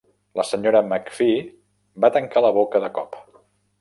La Sra. Mcfee va tancar la boca de cop.